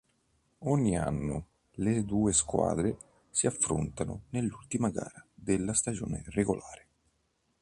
Ogni anno le due squadre si affrontano nell'ultima gara della stagione regolare.